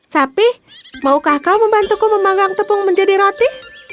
sapi maukah kau membantuku memanggang tepung menjadi roti